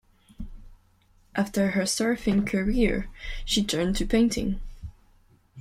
After her surfing career, she turned to painting.